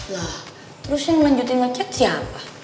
lah terus yang lanjutin aja siapa